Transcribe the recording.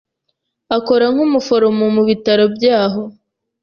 Akora nk'umuforomo mu bitaro byaho.